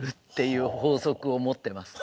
いう法則を持ってます。